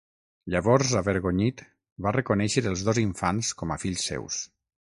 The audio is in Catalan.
Llavors, avergonyit, va reconèixer els dos infants com a fills seus.